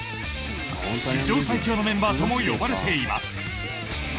史上最強のメンバーとも呼ばれています。